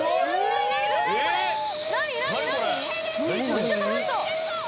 めっちゃ楽しそう！